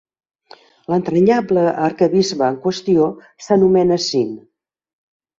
L'entranyable arquebisbe en qüestió s'anomena Sin.